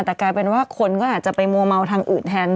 แต่กลายเป็นว่าคนก็อาจจะไปมัวเมาทางอื่นแทน